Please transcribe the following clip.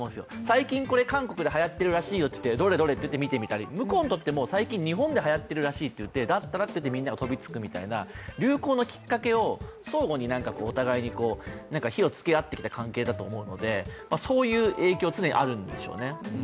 最近、韓国ではやってるらしいよ、どれどれと見てみたり向こうにとっても、最近日本ではやっているらしいといって、だったらといってみんなが飛びつくみたいな流行のきっかけを相互に火を付けあってきた関係だと思うのでそういう影響は常にあるんでしょうね。